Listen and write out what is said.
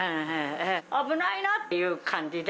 危ないなっていう感じで。